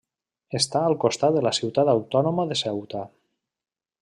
Està al costat de la ciutat autònoma de Ceuta.